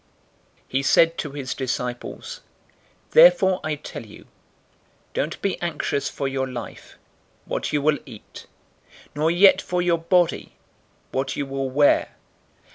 012:022 He said to his disciples, "Therefore I tell you, don't be anxious for your life, what you will eat, nor yet for your body, what you will wear.